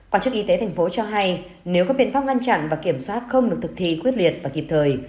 quản chức y tế tp cho hay nếu các biện pháp ngăn chặn và kiểm soát không được thực thi quyết liệt và kịp thời